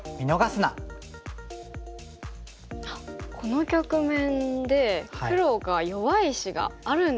この局面で黒が弱い石があるんですか？